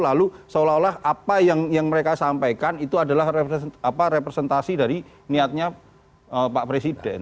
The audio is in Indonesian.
lalu seolah olah apa yang mereka sampaikan itu adalah representasi dari niatnya pak presiden